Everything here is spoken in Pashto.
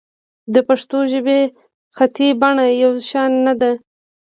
د پښتو ژبې خطي بڼه یو شان نه ده.